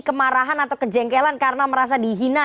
kemarahan atau kejengkelan karena merasa dihina